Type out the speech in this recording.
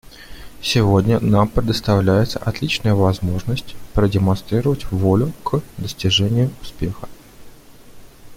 Сегодня нам предоставляется отличная возможность продемонстрировать волю к достижению успеха.